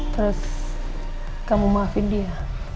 terus kamu maafin dia